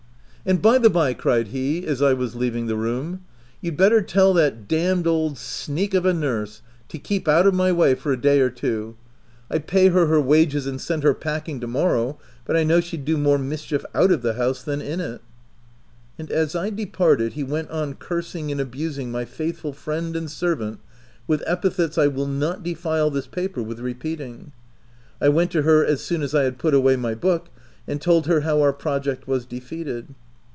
" And by the by," cried he as I was leaving the room, "you'd better tell that d — d old sneak of a nurse to keep out of my way for a day or two — I'd pay her her wages and send her packing to morrow, but I know she'd do more mischief out of the house than in it." And as I departed, he went on cursing and abusing my faithful friend and servant with epithets I will not defile this paper with re peating. I went to her as soon as I had put away my book, and told her how our project was defeated.